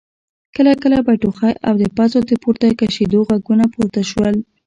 کله کله به ټوخی او د پزو د پورته کشېدو غږونه پورته شول.